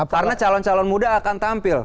karena calon calon muda akan tampil